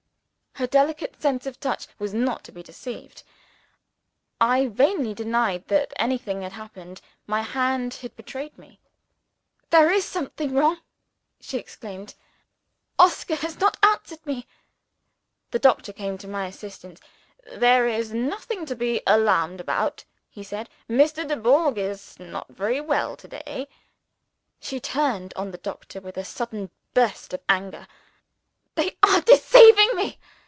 Her delicate sense of touch was not to be deceived. I vainly denied that anything had happened: my hand had betrayed me. "There is something wrong!" she exclaimed, "Oscar has not answered me." The doctor came to my assistance. "There is nothing to be alarmed about," he said. "Mr. Dubourg is not very well to day." She turned on the doctor, with a sudden burst of anger. "You are deceiving me!"